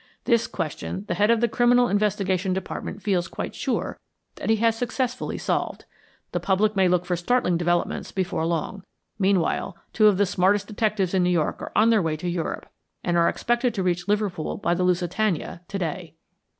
This question the Head of the Criminal Investigation Department feels quite sure that he has successfully solved. The public may look for startling developments before long. Meanwhile, two of the smartest detectives in New York are on their way to Europe, and are expected to reach Liverpool by the Lusitania to day."